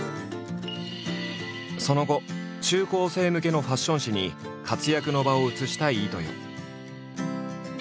その後中高生向けのファッション誌に活躍の場を移した飯豊。